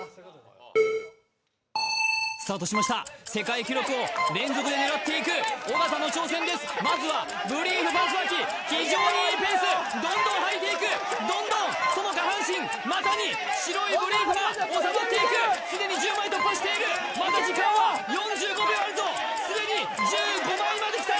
スタートしました世界記録を連続で狙っていく尾形の挑戦ですまずはブリーフパンツはき非常にいいペースどんどんはいていくどんどんその下半身股に白いブリーフがおさまっていくすでに１０枚突破しているまだ時間は４５秒あるぞすでに１５枚まできた！